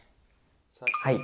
はい。